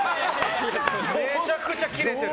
めちゃくちゃキレてる！